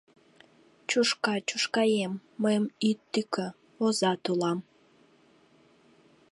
Чушка, чушкаэм, мыйым ит тӱкӧ, озат улам.